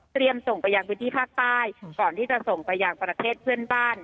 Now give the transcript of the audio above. ส่งไปยังพื้นที่ภาคใต้ก่อนที่จะส่งไปยังประเทศเพื่อนบ้าน